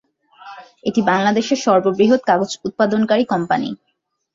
এটি বাংলাদেশের সর্ববৃহৎ কাগজ উৎপাদনকারী কোম্পানি।